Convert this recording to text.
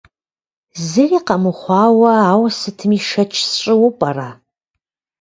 Зыри къэмыхъуауэ ауэ сытми шэч сщӏыуэ пӏэрэ?